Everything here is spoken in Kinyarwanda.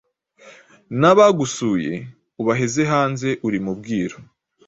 Nabagusuye ubaheze hanze urimubwiru